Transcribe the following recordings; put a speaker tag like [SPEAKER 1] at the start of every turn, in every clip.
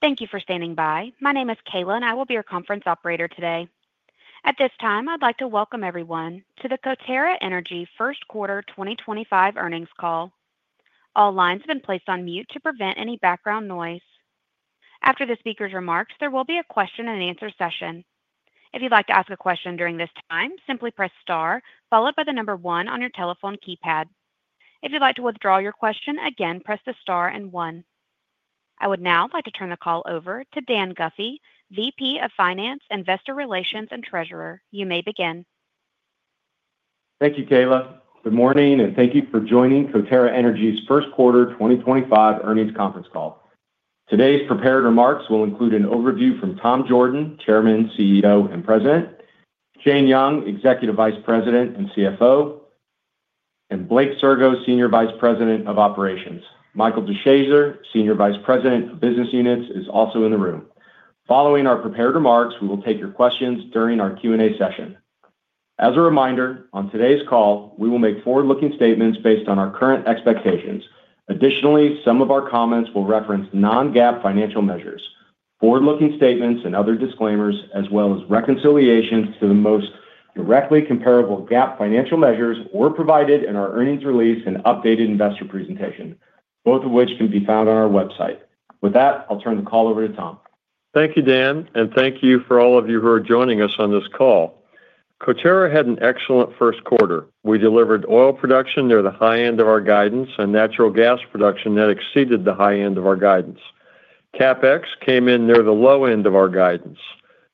[SPEAKER 1] Thank you for standing by. My name is Kayla, and I will be your conference operator today. At this time, I'd like to welcome everyone to the Coterra Energy first quarter 2025 earnings call. All lines have been placed on mute to prevent any background noise. After the speaker's rem arks, there will be a question-and-answer session. If you'd like to ask a question during this time, simply press star, followed by the number one on your telephone keypad. If you'd like to withdraw your question, again, press the star and one. I would now like to turn the call over to Dan Guffey, VP of Finance, Investor Relations, and Treasurer. You may begin.
[SPEAKER 2] Thank you, Kayla. Good morning, and thank you for joining Coterra Energy's first quarter 2025 earnings conference call. Today's prepared remarks will include an overview from Tom Jorden, Chairman, CEO, and President; Shane Young, Executive Vice President and CFO; and Blake Sirgo, Senior Vice President of Operations. Michael Deshazer, Senior Vice President of Business Units, is also in the room. Following our prepared remarks, we will take your questions during our Q&A session. As a reminder, on today's call, we will make forward-looking statements based on our current expectations. Additionally, some of our comments will reference non-GAAP financial measures, forward-looking statements and other disclaimers, as well as reconciliations to the most directly comparable GAAP financial measures provided in our earnings release and updated investor presentation, both of which can be found on our website. With that, I'll turn the call over to Tom.
[SPEAKER 3] Thank you, Dan, and thank you for all of you who are joining us on this call. Coterra had an excellent first quarter. We delivered oil production near the high end of our guidance and natural gas production that exceeded the high end of our guidance. CapEx came in near the low end of our guidance.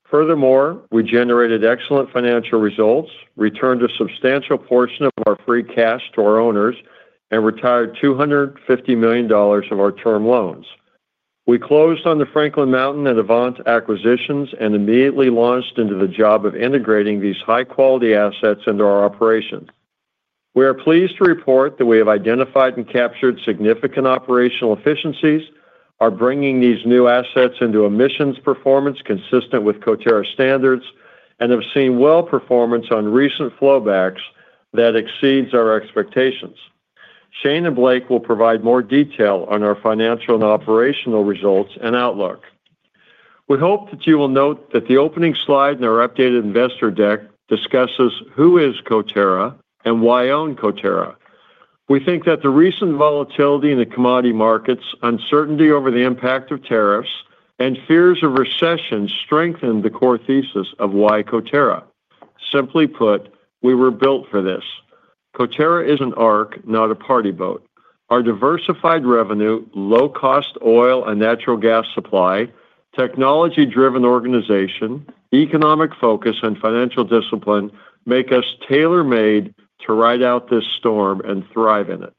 [SPEAKER 3] Furthermore, we generated excellent financial results, returned a substantial portion of our free cash to our owners, and retired $250 million of our term loans. We closed on the Franklin Mountain and Avant acquisitions and immediately launched into the job of integrating these high-quality assets into our operations. We are pleased to report that we have identified and captured significant operational efficiencies, are bringing these new assets into emissions performance consistent with Coterra standards, and have seen well-performance on recent flowbacks that exceeds our expectations. Shane and Blake will provide more detail on our financial and operational results and outlook. We hope that you will note that the opening slide in our updated investor deck discusses who is Coterra and why own Coterra. We think that the recent volatility in the commodity markets, uncertainty over the impact of tariffs, and fears of recession strengthen the core thesis of why Coterra. Simply put, we were built for this. Coterra is an arc, not a party boat. Our diversified revenue, low-cost oil and natural gas supply, technology-driven organization, economic focus, and financial discipline make us tailor-made to ride out this storm and thrive in it.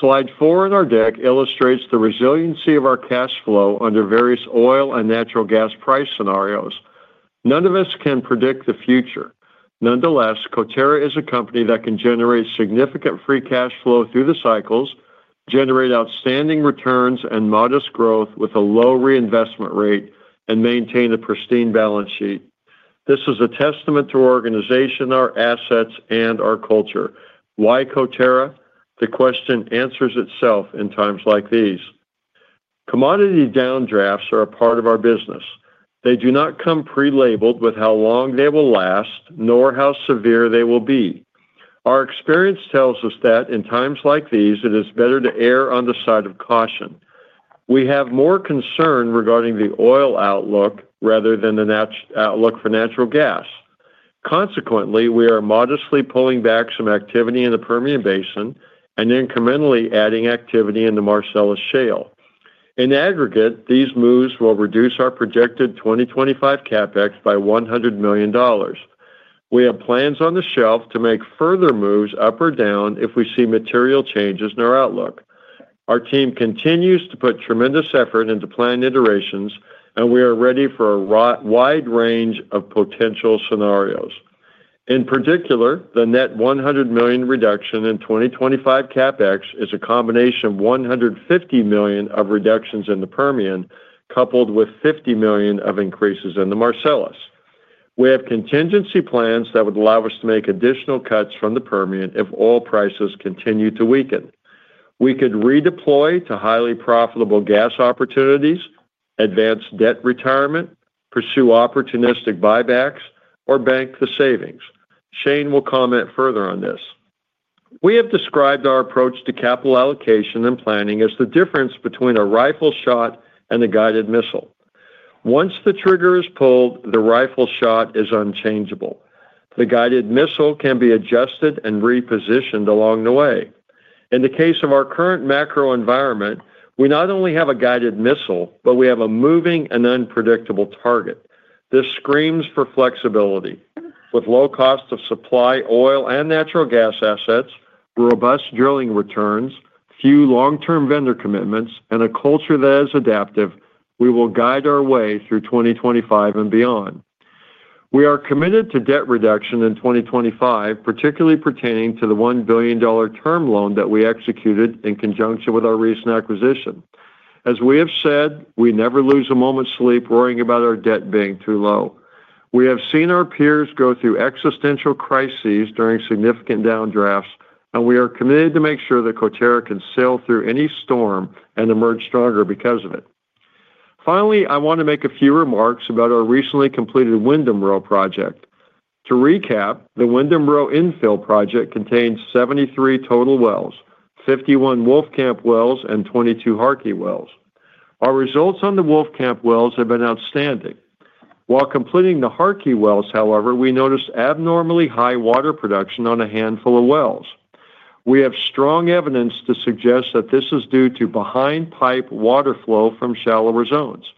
[SPEAKER 3] Slide four in our deck illustrates the resiliency of our cash flow under various oil and natural gas price scenarios. None of us can predict the future. Nonetheless, Coterra is a company that can generate significant free cash flow through the cycles, generate outstanding returns and modest growth with a low reinvestment rate, and maintain a pristine balance sheet. This is a testament to our organization, our assets, and our culture. Why Coterra? The question answers itself in times like these. Commodity downdrafts are a part of our business. They do not come pre-labeled with how long they will last, nor how severe they will be. Our experience tells us that in times like these, it is better to err on the side of caution. We have more concern regarding the oil outlook rather than the outlook for natural gas. Consequently, we are modestly pulling back some activity in the Permian Basin and incrementally adding activity in the Marcellus Shale. In aggregate, these moves will reduce our projected 2025 CapEx by $100 million. We have plans on the shelf to make further moves up or down if we see material changes in our outlook. Our team continues to put tremendous effort into plan iterations, and we are ready for a wide range of potential scenarios. In particular, the net $100 million reduction in 2025 CapEx is a combination of $150 million of reductions in the Permian, coupled with $50 million of increases in the Marcellus. We have contingency plans that would allow us to make additional cuts from the Permian if oil prices continue to weaken. We could redeploy to highly profitable gas opportunities, advance debt retirement, pursue opportunistic buybacks, or bank the savings. Shane will comment further on this. We have described our approach to capital allocation and planning as the difference between a rifle shot and a guided missile. Once the trigger is pulled, the rifle shot is unchangeable. The guided missile can be adjusted and repositioned along the way. In the case of our current macro environment, we not only have a guided missile, but we have a moving and unpredictable target. This screams for flexibility. With low cost of supply oil and natural gas assets, robust drilling returns, few long-term vendor commitments, and a culture that is adaptive, we will guide our way through 2025 and beyond. We are committed to debt reduction in 2025, particularly pertaining to the $1 billion term loan that we executed in conjunction with our recent acquisition. As we have said, we never lose a moment's sleep worrying about our debt being too low. We have seen our peers go through existential crises during significant downdrafts, and we are committed to make sure that Coterra can sail through any storm and emerge stronger because of it. Finally, I want to make a few remarks about our recently completed Wyndham Row project. To recap, the Wyndham Row infill project contains 73 total wells, 51 Wolf Camp wells, and 22 Harkey wells. Our results on the Wolf Camp wells have been outstanding. While completing the Harkey wells, however, we noticed abnormally high water production on a handful of wells. We have strong evidence to suggest that this is due to behind-pipe water flow from shallower zones.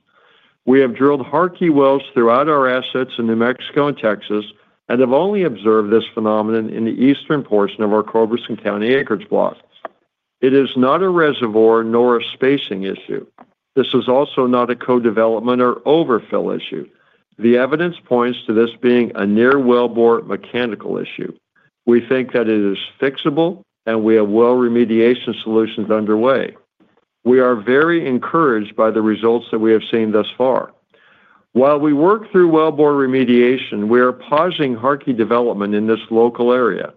[SPEAKER 3] We have drilled Harkey wells throughout our assets in New Mexico and Texas and have only observed this phenomenon in the eastern portion of our Culberson County acreage block. It is not a reservoir nor a spacing issue. This is also not a co-development or overfill issue. The evidence points to this being a near-wellbore mechanical issue. We think that it is fixable, and we have well remediation solutions underway. We are very encouraged by the results that we have seen thus far. While we work through wellbore remediation, we are pausing Harkey development in this local area.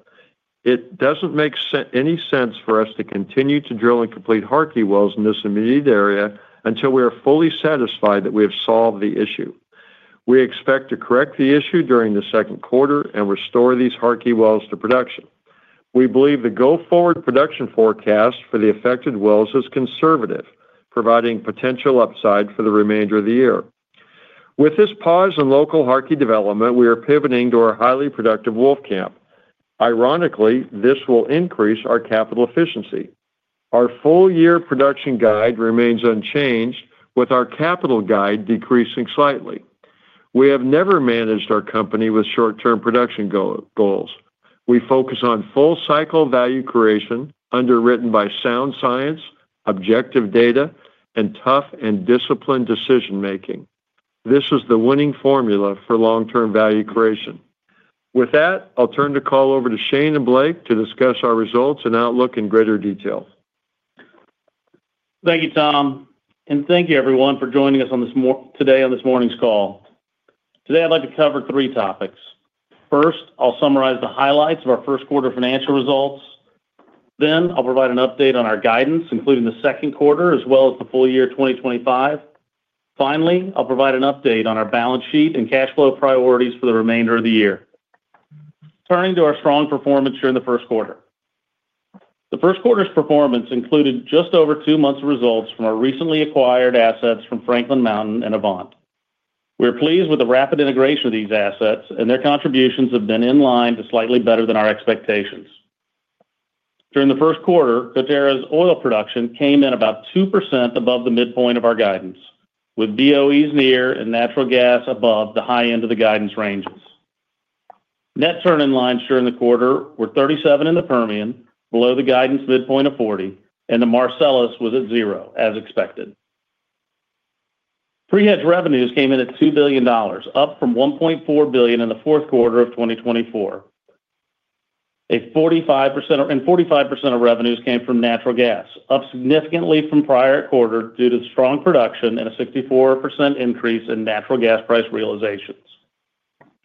[SPEAKER 3] It doesn't make any sense for us to continue to drill and complete Harkey wells in this immediate area until we are fully satisfied that we have solved the issue. We expect to correct the issue during the second quarter and restore these Harkey wells to production. We believe the go-forward production forecast for the affected wells is conservative, providing potential upside for the remainder of the year. With this pause in local Harkey development, we are pivoting to our highly productive Wolf Camp. Ironically, this will increase our capital efficiency. Our full-year production guide remains unchanged, with our capital guide decreasing slightly. We have never managed our company with short-term production goals. We focus on full-cycle value creation, underwritten by sound science, objective data, and tough and disciplined decision-making. This is the winning formula for long-term value creation. With that, I'll turn the call over to Shane and Blake to discuss our results and outlook in greater detail.
[SPEAKER 4] Thank you, Tom, and thank you, everyone, for joining us today on this morning's call. Today, I'd like to cover three topics. First, I'll summarize the highlights of our first quarter financial results. Then, I'll provide an update on our guidance, including the second quarter as well as the full year 2025. Finally, I'll provide an update on our balance sheet and cash flow priorities for the remainder of the year. Turning to our strong performance during the first quarter, the first quarter's performance included just over two months of results from our recently acquired assets from Franklin Mountain and Avant. We are pleased with the rapid integration of these assets, and their contributions have been in line to slightly better than our expectations. During the first quarter, Coterra's oil production came in about 2% above the midpoint of our guidance, with BOEs near and natural gas above the high end of the guidance ranges. Net turn-in lines during the quarter were 37 in the Permian, below the guidance midpoint of 40, and the Marcellus was at zero, as expected. Pre-hedge revenues came in at $2 billion, up from $1.4 billion in the fourth quarter of 2024. 45% of revenues came from natural gas, up significantly from prior quarter due to strong production and a 64% increase in natural gas price realizations.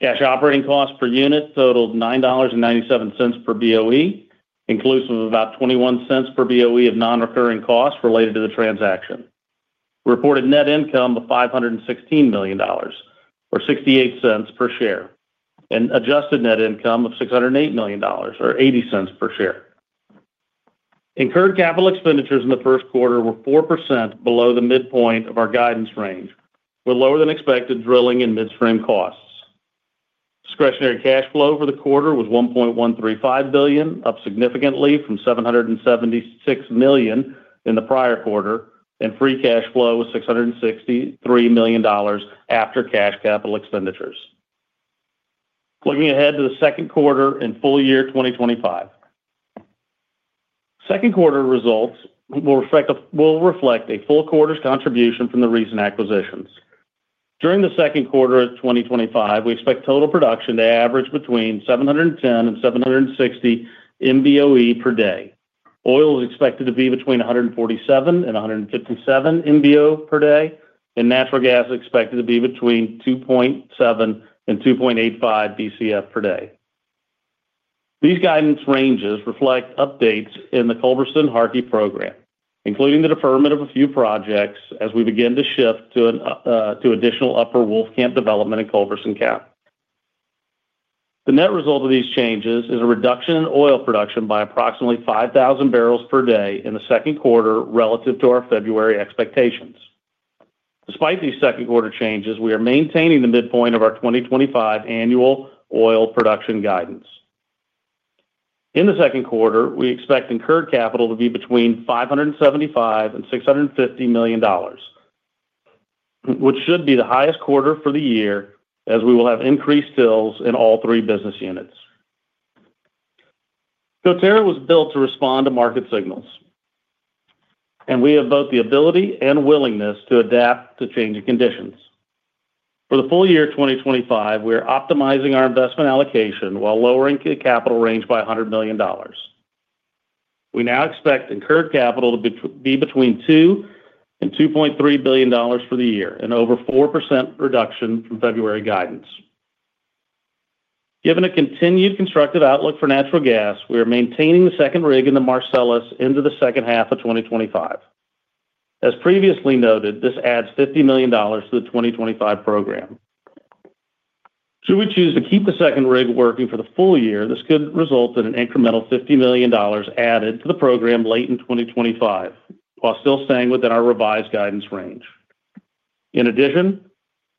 [SPEAKER 4] Cash operating costs per unit totaled $9.97 per BOE, inclusive of about $0.21 per BOE of non-recurring costs related to the transaction. Reported net income of $516 million, or $0.68 per share, and adjusted net income of $608 million, or $0.80 per share. Incurred capital expenditures in the first quarter were 4% below the midpoint of our guidance range, with lower-than-expected drilling and midstream costs. Discretionary cash flow for the quarter was $1.135 billion, up significantly from $776 million in the prior quarter, and free cash flow was $663 million after cash capital expenditures. Looking ahead to the second quarter and full year 2025, second quarter results will reflect a full quarter's contribution from the recent acquisitions. During the second quarter of 2025, we expect total production to average between 710 and 760 MBOE per day. Oil is expected to be between 147 and 157 MBO per day, and natural gas is expected to be between 2.7 and 2.85 BCF per day. These guidance ranges reflect updates in the Culberson Harkey program, including the deferment of a few projects as we begin to shift to additional Upper Wolf Camp development in Culberson County. The net result of these changes is a reduction in oil production by approximately 5,000 bbls per day in the second quarter relative to our February expectations. Despite these second-quarter changes, we are maintaining the midpoint of our 2025 annual oil production guidance. In the second quarter, we expect incurred capital to be between $575 million and $650 million, which should be the highest quarter for the year as we will have increased TILs in all three business units. Coterra was built to respond to market signals, and we have both the ability and willingness to adapt to changing conditions. For the full year 2025, we are optimizing our investment allocation while lowering the capital range by $100 million. We now expect incurred capital to be between $2 billion and $2.3 billion for the year and over 4% reduction from February guidance. Given a continued constructive outlook for natural gas, we are maintaining the second rig in the Marcellus into the second half of 2025. As previously noted, this adds $50 million to the 2025 program. Should we choose to keep the second rig working for the full year, this could result in an incremental $50 million added to the program late in 2025, while still staying within our revised guidance range. In addition,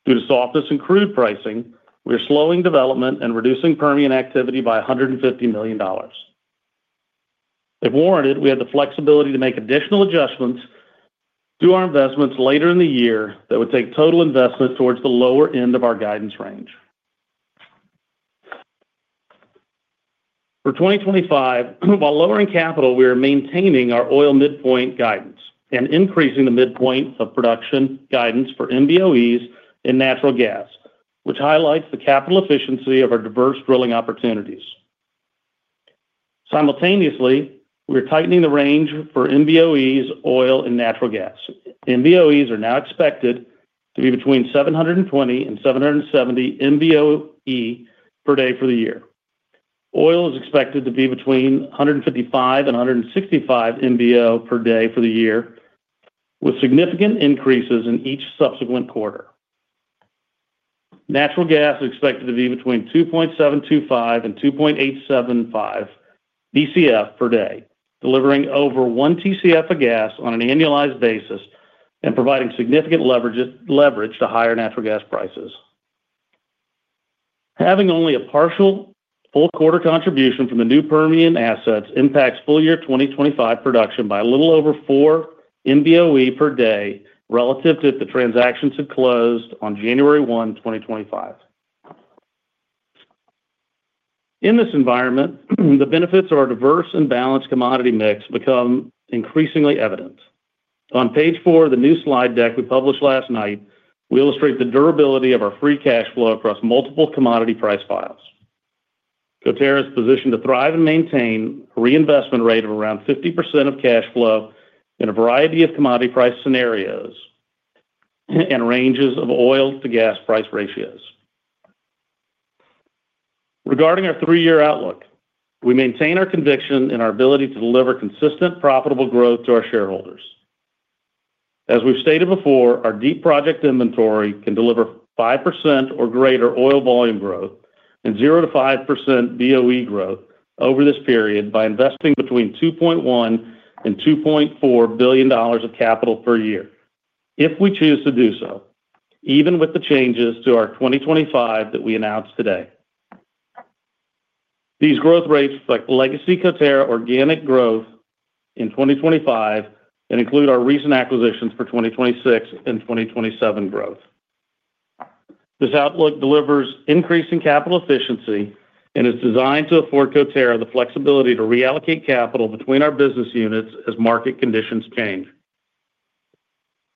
[SPEAKER 4] due to softness in crude pricing, we are slowing development and reducing Permian activity by $150 million. If warranted, we have the flexibility to make additional adjustments to our investments later in the year that would take total investment towards the lower end of our guidance range. For 2025, while lowering capital, we are maintaining our oil midpoint guidance and increasing the midpoint of production guidance for MBOEs in natural gas, which highlights the capital efficiency of our diverse drilling opportunities. Simultaneously, we are tightening the range for MBOEs, oil, and natural gas. MBOEs are now expected to be between 720-770 MBOE per day for the year. Oil is expected to be between 155-165 MBO per day for the year, with significant increases in each subsequent quarter. Natural gas is expected to be between 2.725-2.875 BCF per day, delivering over 1 TCF of gas on an annualized basis and providing significant leverage to higher natural gas prices. Having only a partial full quarter contribution from the new Permian assets impacts full year 2025 production by a little over four MBOE per day relative to if the transactions had closed on January 1, 2025. In this environment, the benefits of our diverse and balanced commodity mix become increasingly evident. On page four of the new slide deck we published last night, we illustrate the durability of our free cash flow across multiple commodity price files. Coterra is positioned to thrive and maintain a reinvestment rate of around 50% of cash flow in a variety of commodity price scenarios and ranges of oil to gas price ratios. Regarding our three-year outlook, we maintain our conviction in our ability to deliver consistent, profitable growth to our shareholders. As we've stated before, our deep project inventory can deliver 5% or greater oil volume growth and 0%-5% BOE growth over this period by investing between $2.1 billion and $2.4 billion of capital per year if we choose to do so, even with the changes to our 2025 that we announced today. These growth rates reflect legacy Coterra organic growth in 2025 and include our recent acquisitions for 2026 and 2027 growth. This outlook delivers increasing capital efficiency and is designed to afford Coterra the flexibility to reallocate capital between our business units as market conditions change.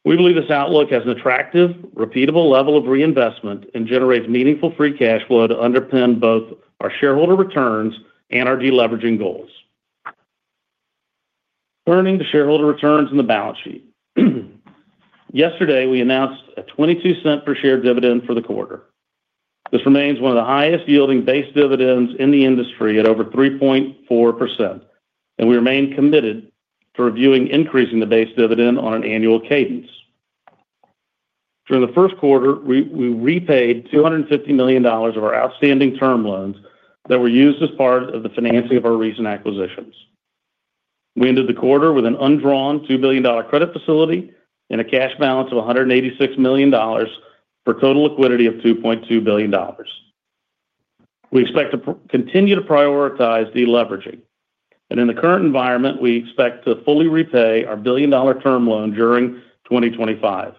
[SPEAKER 4] We believe this outlook has an attractive, repeatable level of reinvestment and generates meaningful free cash flow to underpin both our shareholder returns and our deleveraging goals. Turning to shareholder returns and the balance sheet, yesterday we announced a $0.22 per share dividend for the quarter. This remains one of the highest-yielding base dividends in the industry at over 3.4%, and we remain committed to reviewing increasing the base dividend on an annual cadence. During the first quarter, we repaid $250 million of our outstanding term loans that were used as part of the financing of our recent acquisitions. We ended the quarter with an undrawn $2 billion credit facility and a cash balance of $186 million for total liquidity of $2.2 billion. We expect to continue to prioritize deleveraging, and in the current environment, we expect to fully repay our billion-dollar term loan during 2025.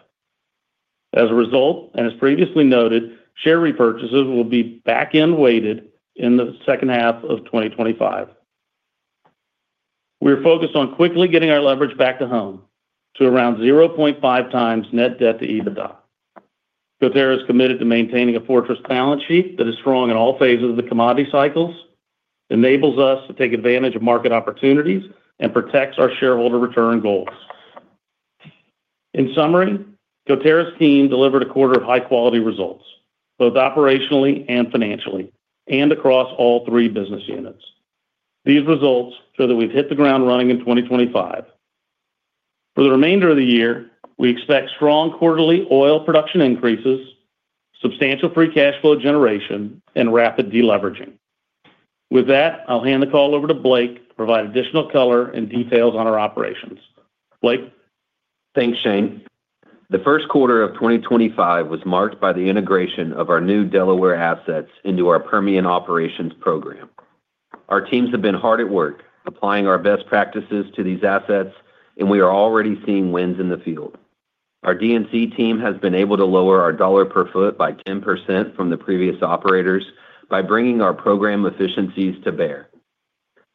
[SPEAKER 4] As a result, and as previously noted, share repurchases will be back-end weighted in the second half of 2025. We are focused on quickly getting our leverage back to home to around 0.5x net debt to EBITDA. Coterra is committed to maintaining a fortress balance sheet that is strong in all phases of the commodity cycles, enables us to take advantage of market opportunities, and protects our shareholder return goals. In summary, Coterra's team delivered a quarter of high-quality results, both operationally and financially, and across all three business units. These results show that we've hit the ground running in 2025. For the remainder of the year, we expect strong quarterly oil production increases, substantial free cash flow generation, and rapid deleveraging. With that, I'll hand the call over to Blake to provide additional color and details on our operations. Blake.
[SPEAKER 5] Thanks, Shane. The first quarter of 2025 was marked by the integration of our new Delaware assets into our Permian operations program. Our teams have been hard at work applying our best practices to these assets, and we are already seeing wins in the field. Our DNC team has been able to lower our dollar per foot by 10% from the previous operators by bringing our program efficiencies to bear.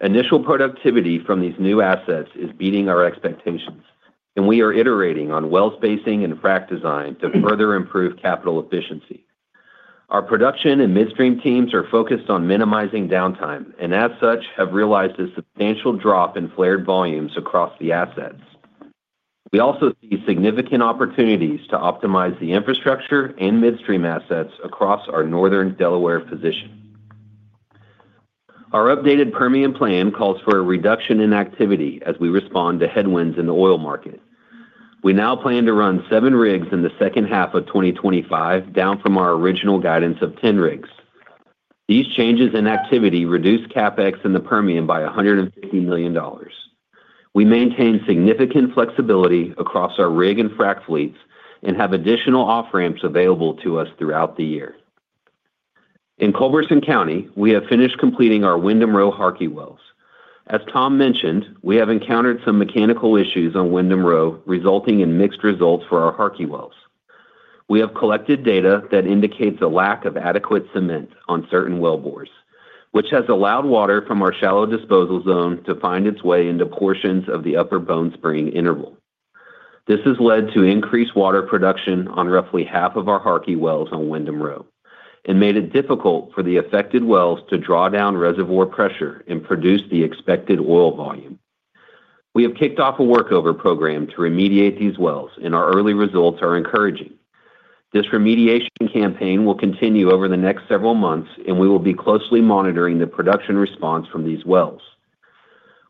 [SPEAKER 5] Initial productivity from these new assets is beating our expectations, and we are iterating on well spacing and frac design to further improve capital efficiency. Our production and midstream teams are focused on minimizing downtime and, as such, have realized a substantial drop in flared volumes across the assets. We also see significant opportunities to optimize the infrastructure and midstream assets across our northern Delaware position. Our updated Permian plan calls for a reduction in activity as we respond to headwinds in the oil market. We now plan to run seven rigs in the second half of 2025, down from our original guidance of 10 rigs. These changes in activity reduce CapEx in the Permian by $150 million. We maintain significant flexibility across our rig and frac fleets and have additional off-ramps available to us throughout the year. In Culberson County, we have finished completing our Wyndham Row Harkey wells. As Tom mentioned, we have encountered some mechanical issues on Wyndham Row, resulting in mixed results for our Harkey wells. We have collected data that indicates a lack of adequate cement on certain wellbores, which has allowed water from our shallow disposal zone to find its way into portions of the upper Bone Spring interval. This has led to increased water production on roughly half of our Harkey wells on Wyndham Row and made it difficult for the affected wells to draw down reservoir pressure and produce the expected oil volume. We have kicked off a workover program to remediate these wells, and our early results are encouraging. This remediation campaign will continue over the next several months, and we will be closely monitoring the production response from these wells.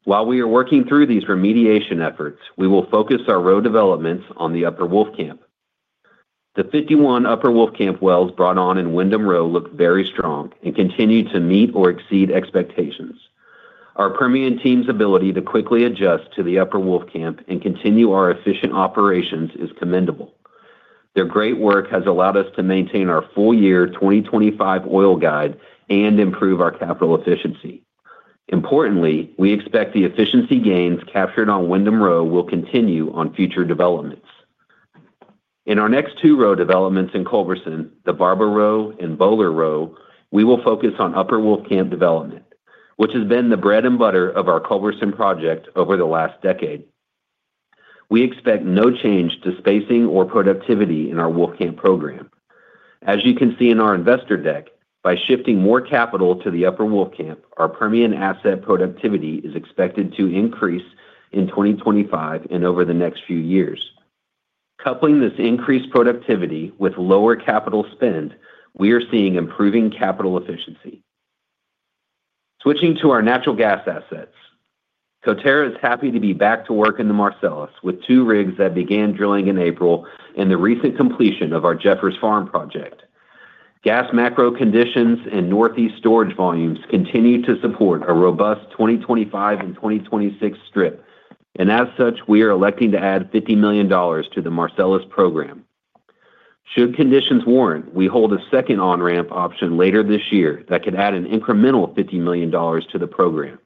[SPEAKER 5] While we are working through these remediation efforts, we will focus our row developments on the Upper Wolf Camp. The 51 Upper Wolf Camp wells brought on in Wyndham Row look very strong and continue to meet or exceed expectations. Our Permian team's ability to quickly adjust to the Upper Wolf Camp and continue our efficient operations is commendable. Their great work has allowed us to maintain our full year 2025 oil guide and improve our capital efficiency. Importantly, we expect the efficiency gains captured on Wyndham Row will continue on future developments. In our next two row developments in Culberson, the Barber Row and Bowler Row, we will focus on Upper Wolf Camp development, which has been the bread and butter of our Culberson project over the last decade. We expect no change to spacing or productivity in our Wolf Camp program. As you can see in our investor deck, by shifting more capital to the Upper Wolf Camp, our Permian asset productivity is expected to increase in 2025 and over the next few years. Coupling this increased productivity with lower capital spend, we are seeing improving capital efficiency. Switching to our natural gas assets, Coterra is happy to be back to work in the Marcellus with two rigs that began drilling in April and the recent completion of our Jeffers Farm project. Gas macro conditions and northeast storage volumes continue to support a robust 2025 and 2026 strip, and as such, we are electing to add $50 million to the Marcellus program. Should conditions warrant, we hold a second on-ramp option later this year that could add an incremental $50 million to the program.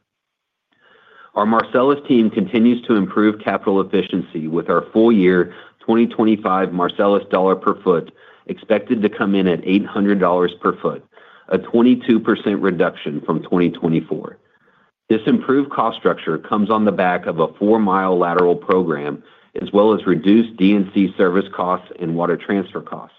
[SPEAKER 5] Our Marcellus team continues to improve capital efficiency with our full year 2025 Marcellus dollar per foot expected to come in at $800 per foot, a 22% reduction from 2024. This improved cost structure comes on the back of a 4 mi lateral program, as well as reduced DNC service costs and water transfer costs.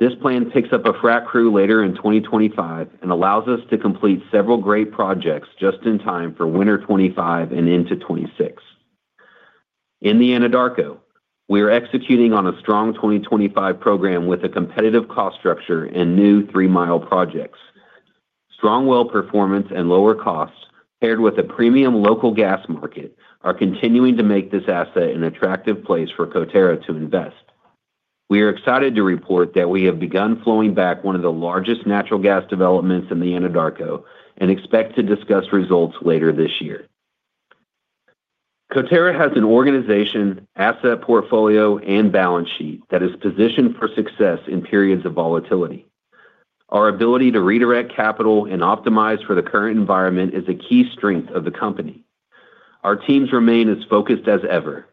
[SPEAKER 5] This plan picks up a frac crew later in 2025 and allows us to complete several great projects just in time for winter 2025 and into 2026. In the Anadarko, we are executing on a strong 2025 program with a competitive cost structure and new 3-mi projects. Strong well performance and lower costs, paired with a premium local gas market, are continuing to make this asset an attractive place for Coterra to invest. We are excited to report that we have begun flowing back one of the largest natural gas developments in the Anadarko and expect to discuss results later this year. Coterra has an organization, asset portfolio, and balance sheet that is positioned for success in periods of volatility. Our ability to redirect capital and optimize for the current environment is a key strength of the company. Our teams remain as focused as ever.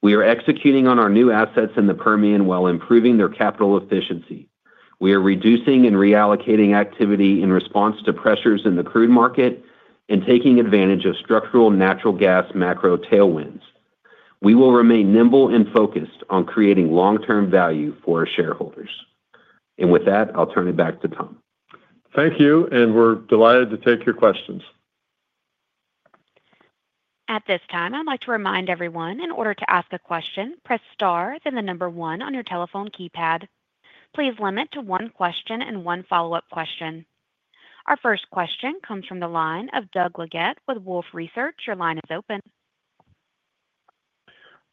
[SPEAKER 5] We are executing on our new assets in the Permian while improving their capital efficiency. We are reducing and reallocating activity in response to pressures in the crude market and taking advantage of structural natural gas macro tailwinds. We will remain nimble and focused on creating long-term value for our shareholders. With that, I'll turn it back to Tom.
[SPEAKER 3] Thank you, and we're delighted to take your questions.
[SPEAKER 1] At this time, I'd like to remind everyone, in order to ask a question, press star, then the number one on your telephone keypad. Please limit to one question and one follow-up question. Our first question comes from the line of Doug Leggate with Wolfe Research. Your line is open.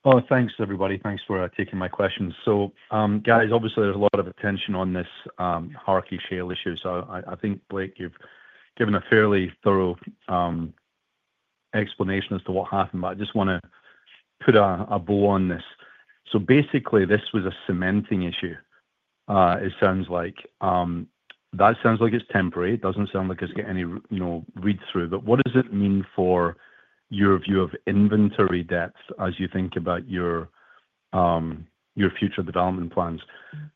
[SPEAKER 6] Oh, thanks, everybody. Thanks for taking my questions. Guys, obviously, there's a lot of attention on this Harkey shale issue. I think, Blake, you've given a fairly thorough explanation as to what happened, but I just want to put a bow on this. Basically, this was a cementing issue, it sounds like. That sounds like it's temporary. It doesn't sound like it's got any read-through. What does it mean for your view of inventory depths as you think about your future development plans?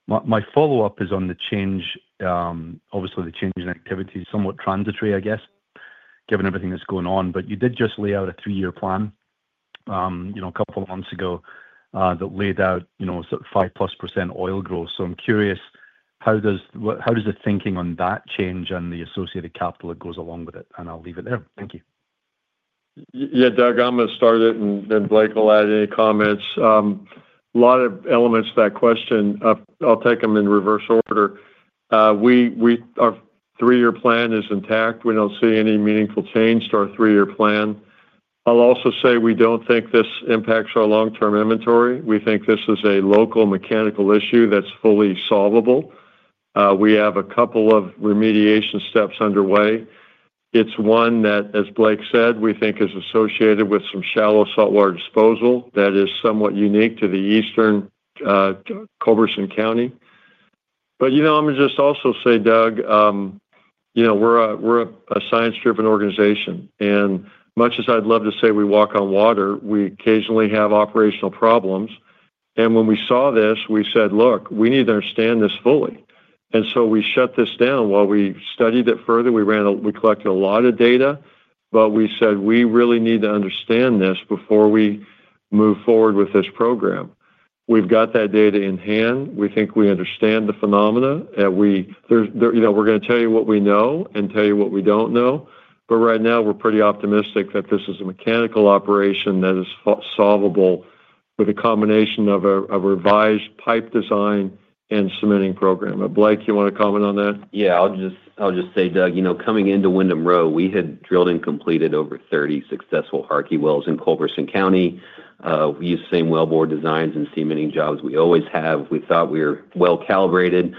[SPEAKER 6] My follow-up is on the change, obviously, the change in activity is somewhat transitory, I guess, given everything that's going on. You did just lay out a three-year plan a couple of months ago that laid out sort of 5+% oil growth. I'm curious, how does the thinking on that change and the associated capital that goes along with it? I'll leave it there. Thank you.
[SPEAKER 3] Yeah, Doug, I'm going to start it, and then Blake will add any comments. A lot of elements of that question, I'll take them in reverse order. Our three-year plan is intact. We don't see any meaningful change to our three-year plan. I'll also say we don't think this impacts our long-term inventory. We think this is a local mechanical issue that's fully solvable. We have a couple of remediation steps underway. It's one that, as Blake said, we think is associated with some shallow saltwater disposal that is somewhat unique to the eastern Culberson County. I'm going to just also say, Doug, we're a science-driven organization. Much as I'd love to say we walk on water, we occasionally have operational problems. When we saw this, we said, "Look, we need to understand this fully." We shut this down. While we studied it further, we collected a lot of data, but we said, "We really need to understand this before we move forward with this program." We've got that data in hand. We think we understand the phenomena. We're going to tell you what we know and tell you what we don't know. Right now, we're pretty optimistic that this is a mechanical operation that is solvable with a combination of a revised pipe design and cementing program. Blake, you want to comment on that?
[SPEAKER 5] Yeah, I'll just say, Doug, coming into Wyndham Row, we had drilled and completed over 30 successful Harkey wells in Culberson County. We use the same wellbore designs and cementing jobs we always have. We thought we were well-calibrated.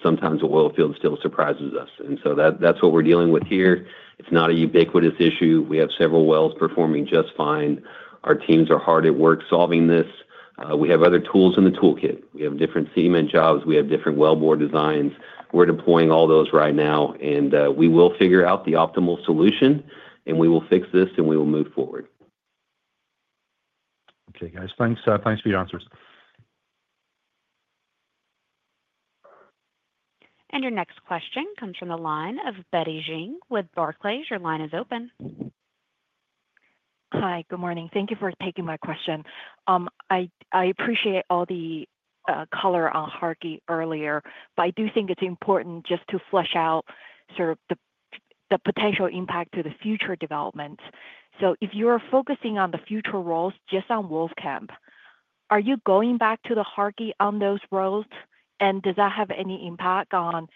[SPEAKER 5] Sometimes a oil field still surprises us. That is what we're dealing with here. It's not a ubiquitous issue. We have several wells performing just fine. Our teams are hard at work solving this. We have other tools in the toolkit. We have different cement jobs. We have different wellbore designs. We're deploying all those right now. We will figure out the optimal solution, and we will fix this, and we will move forward.
[SPEAKER 6] Okay, guys. Thanks for your answers.
[SPEAKER 1] Your next question comes from the line of Betty Jiang with Barclays. Your line is open.
[SPEAKER 7] Hi, good morning. Thank you for taking my question. I appreciate all the color on Harkey earlier, but I do think it's important just to flesh out sort of the potential impact to the future developments. If you are focusing on the future roles just on Wolf Camp, are you going back to the Harkey on those roles? Does that have any impact on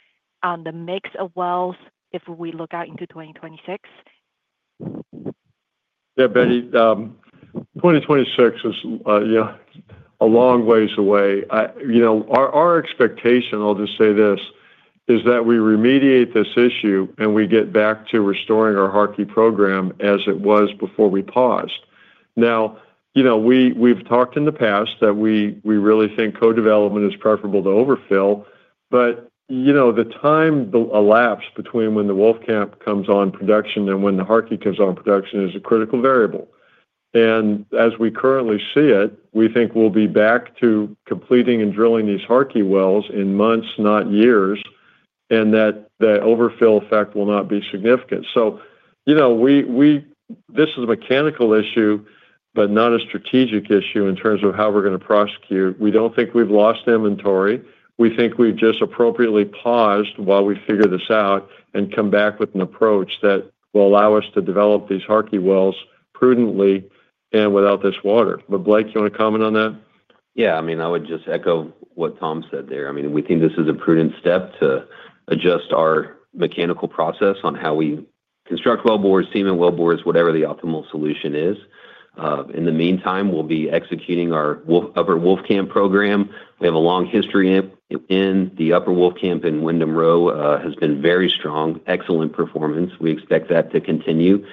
[SPEAKER 7] the mix of wells if we look out into 2026?
[SPEAKER 3] Yeah, Betty, 2026 is a long ways away. Our expectation, I'll just say this, is that we remediate this issue and we get back to restoring our Harkey program as it was before we paused. Now, we've talked in the past that we really think co-development is preferable to overfill, but the time elapsed between when the Wolf Camp comes on production and when the Harkey comes on production is a critical variable. As we currently see it, we think we'll be back to completing and drilling these Harkey wells in months, not years, and that the overfill effect will not be significant. This is a mechanical issue, but not a strategic issue in terms of how we're going to prosecute. We don't think we've lost inventory. We think we've just appropriately paused while we figure this out and come back with an approach that will allow us to develop these Harkey wells prudently and without this water. Blake, you want to comment on that?
[SPEAKER 5] Yeah, I mean, I would just echo what Tom said there. I mean, we think this is a prudent step to adjust our mechanical process on how we construct wellbores, cement wellbores, whatever the optimal solution is. In the meantime, we'll be executing our Upper Wolf Camp program. We have a long history in the Upper Wolf Camp in Wyndham Row has been very strong, excellent performance. We expect that to continue.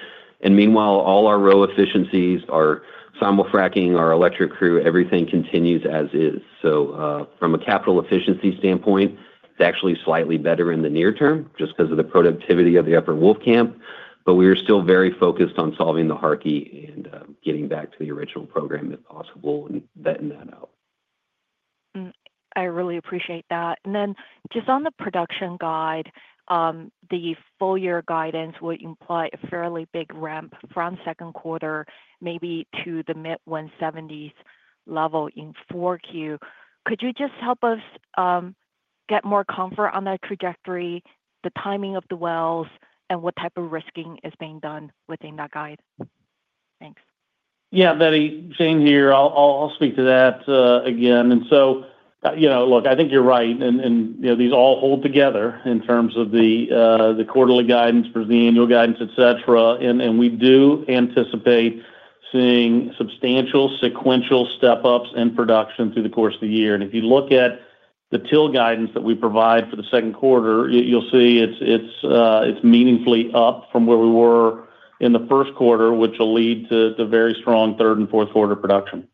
[SPEAKER 5] Meanwhile, all our row efficiencies, our simul-fracking, our electric crew, everything continues as is. From a capital efficiency standpoint, it's actually slightly better in the near term just because of the productivity of the Upper Wolf Camp. We are still very focused on solving the Harkey and getting back to the original program if possible and vetting that out.
[SPEAKER 7] I really appreciate that. Just on the production guide, the full year guidance would imply a fairly big ramp from second quarter, maybe to the mid-170s level in Q4. Could you just help us get more comfort on that trajectory, the timing of the wells, and what type of risking is being done within that guide? Thanks.
[SPEAKER 3] Yeah, Betty Jiang here. I'll speak to that again. Look, I think you're right. These all hold together in terms of the quarterly guidance versus the annual guidance, etc. We do anticipate seeing substantial sequential step-ups in production through the course of the year. If you look at the TIL guidance that we provide for the second quarter, you'll see it's meaningfully up from where we were in the first quarter, which will lead to very strong third and fourth quarter production.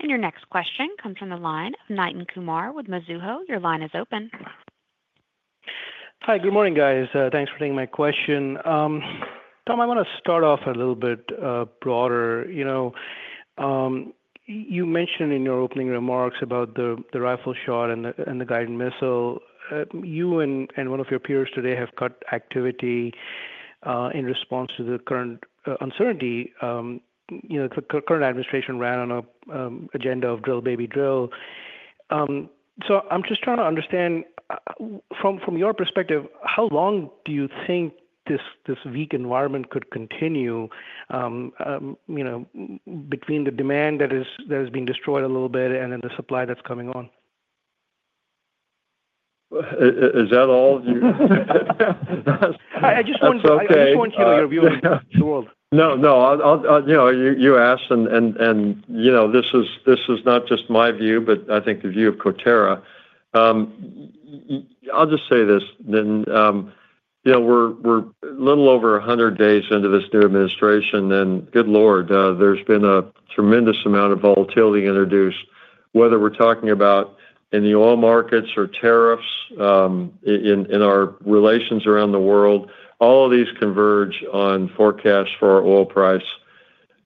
[SPEAKER 1] Your next question comes from the line of Nithin Kumar with Mizuho. Your line is open.
[SPEAKER 8] Hi, good morning, guys. Thanks for taking my question. Tom, I want to start off a little bit broader. You mentioned in your opening remarks about the rifle shot and the guided missile. You and one of your peers today have cut activity in response to the current uncertainty. The current administration ran on an agenda of drill, baby, drill. I am just trying to understand, from your perspective, how long do you think this weak environment could continue between the demand that is being destroyed a little bit and then the supply that is coming on?
[SPEAKER 3] Is that all?
[SPEAKER 6] I just wanted to hear what your view is.
[SPEAKER 3] No, no. You asked, and this is not just my view, but I think the view of Coterra. I'll just say this. We're a little over 100 days into this new administration, and good Lord, there's been a tremendous amount of volatility introduced, whether we're talking about in the oil markets or tariffs in our relations around the world. All of these converge on forecasts for our oil price.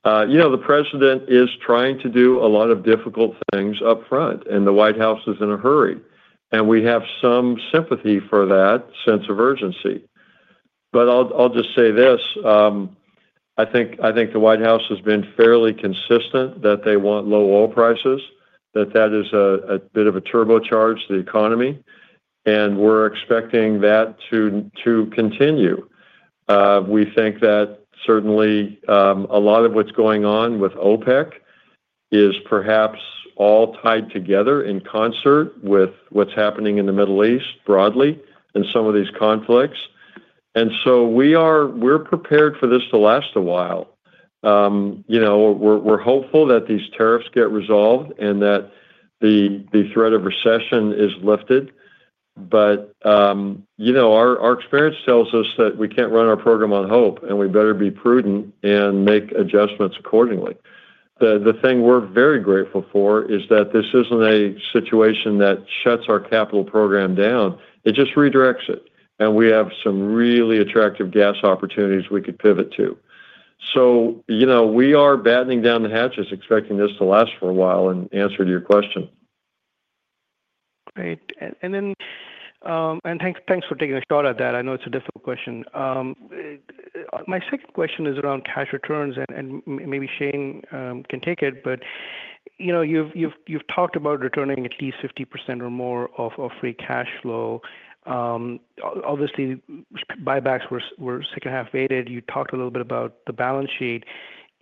[SPEAKER 3] The president is trying to do a lot of difficult things upfront, and the White House is in a hurry. We have some sympathy for that sense of urgency. I'll just say this. I think the White House has been fairly consistent that they want low oil prices, that that is a bit of a turbocharge to the economy, and we're expecting that to continue. We think that certainly a lot of what's going on with OPEC is perhaps all tied together in concert with what's happening in the Middle East broadly and some of these conflicts. We are prepared for this to last a while. We're hopeful that these tariffs get resolved and that the threat of recession is lifted. Our experience tells us that we can't run our program on hope, and we better be prudent and make adjustments accordingly. The thing we're very grateful for is that this isn't a situation that shuts our capital program down. It just redirects it. We have some really attractive gas opportunities we could pivot to. We are battening down the hatches, expecting this to last for a while, in answer to your question.
[SPEAKER 8] Great. Thanks for taking a shot at that. I know it's a difficult question. My second question is around cash returns, and maybe Shane can take it. You've talked about returning at least 50% or more of free cash flow. Obviously, buybacks were second-half faded. You talked a little bit about the balance sheet.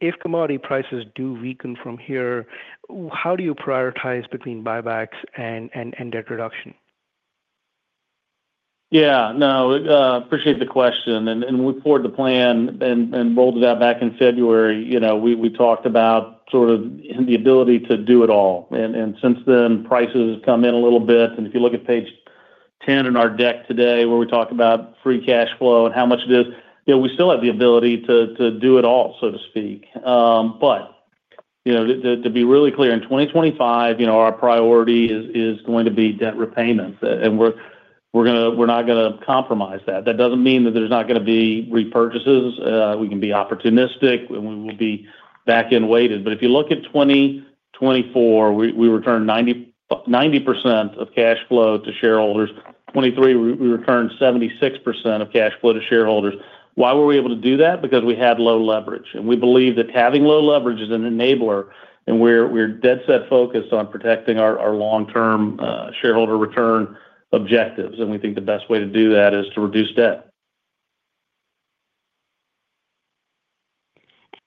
[SPEAKER 8] If commodity prices do weaken from here, how do you prioritize between buybacks and debt reduction?
[SPEAKER 4] Yeah, no, I appreciate the question. We poured the plan and rolled it out back in February. We talked about sort of the ability to do it all. Since then, prices have come in a little bit. If you look at page 10 in our deck today, where we talk about free cash flow and how much it is, we still have the ability to do it all, so to speak. To be really clear, in 2025, our priority is going to be debt repayments. We're not going to compromise that. That does not mean that there's not going to be repurchases. We can be opportunistic, and we will be back-end weighted. If you look at 2024, we returned 90% of cash flow to shareholders. In 2023, we returned 76% of cash flow to shareholders. Why were we able to do that? Because we had low leverage. We believe that having low leverage is an enabler. We are dead-set focused on protecting our long-term shareholder return objectives. We think the best way to do that is to reduce debt.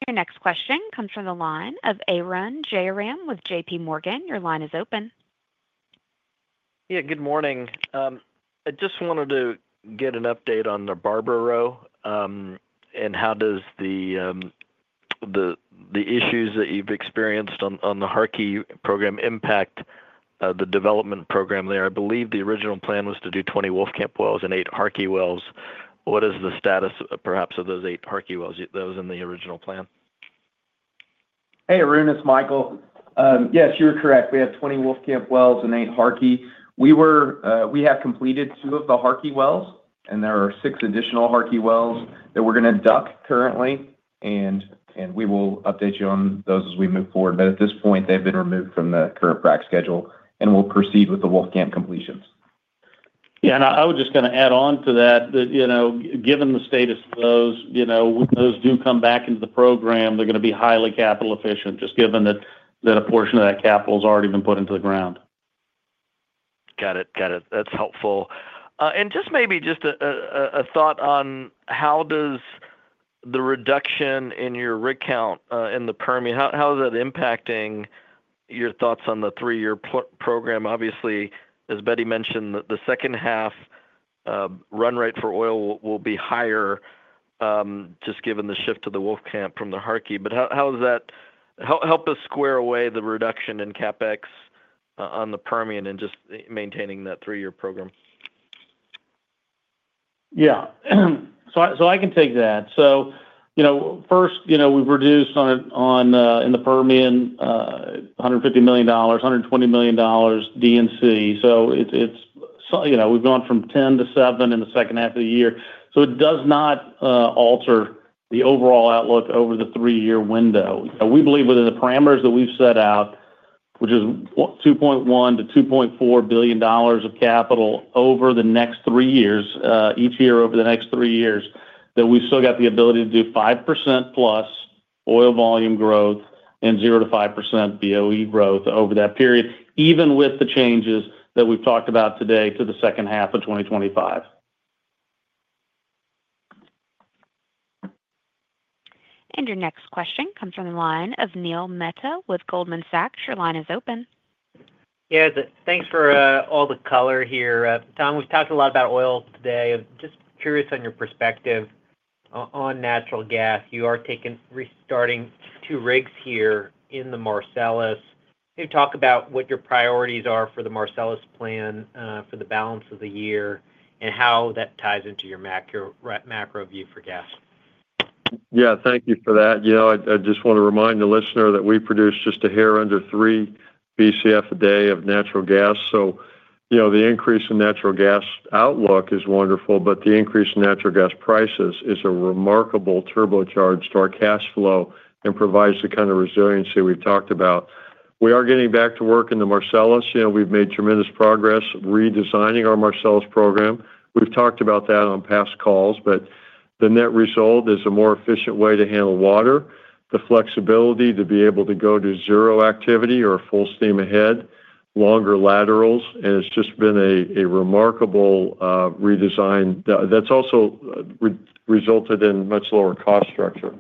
[SPEAKER 1] Your next question comes from the line of Arun Jayaram with JPMorgan. Your line is open.
[SPEAKER 9] Yeah, good morning. I just wanted to get an update on the Barber Row and how does the issues that you've experienced on the Harkey program impact the development program there. I believe the original plan was to do 20 Wolf Camp wells and eight Harkey wells. What is the status, perhaps, of those eight Harkey wells that was in the original plan?
[SPEAKER 10] Hey, Arun, it's Michael. Yes, you're correct. We have 20 Wolf Camp wells and eight Harkey. We have completed two of the Harkey wells, and there are six additional Harkey wells that we're going to DUC currently. We will update you on those as we move forward. At this point, they've been removed from the current frac schedule, and we'll proceed with the Wolf Camp completions.
[SPEAKER 3] Yeah, I was just going to add on to that that given the status of those, when those do come back into the program, they're going to be highly capital efficient, just given that a portion of that capital has already been put into the ground.
[SPEAKER 9] Got it. Got it. That's helpful. Just maybe just a thought on how does the reduction in your rig count in the Permian, how is that impacting your thoughts on the three-year program? Obviously, as Betty mentioned, the second-half run rate for oil will be higher, just given the shift to the Wolf Camp from the Harkey. How does that help us square away the reduction in CapEx on the Permian and just maintaining that three-year program?
[SPEAKER 3] Yeah. I can take that. First, we've reduced in the Permian $150 million, $120 million DNC. We've gone from 10 to 7 in the second half of the year. It does not alter the overall outlook over the three-year window. We believe within the parameters that we've set out, which is $2.1 billion-$2.4 billion of capital over the next three years, each year over the next three years, that we've still got the ability to do 5%+ oil volume growth and 0%-5% BOE growth over that period, even with the changes that we've talked about today to the second half of 2025.
[SPEAKER 1] Your next question comes from the line of Neil Mehta with Goldman Sachs. Your line is open.
[SPEAKER 11] Yeah, thanks for all the color here. Tom, we've talked a lot about oil today. Just curious on your perspective on natural gas. You are restarting two rigs here in the Marcellus. Can you talk about what your priorities are for the Marcellus plan for the balance of the year and how that ties into your macro view for gas?
[SPEAKER 3] Yeah, thank you for that. I just want to remind the listener that we produce just a hair under 3 BCF a day of natural gas. The increase in natural gas outlook is wonderful, but the increase in natural gas prices is a remarkable turbocharge to our cash flow and provides the kind of resiliency we've talked about. We are getting back to work in the Marcellus. We've made tremendous progress redesigning our Marcellus program. We've talked about that on past calls, but the net result is a more efficient way to handle water, the flexibility to be able to go to zero activity or full steam ahead, longer laterals, and it's just been a remarkable redesign that's also resulted in much lower cost structure.